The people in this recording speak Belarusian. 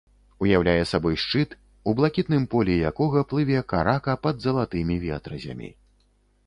Уяўляе сабой шчыт, у блакітным поле якога плыве карака пад залатымі ветразямі.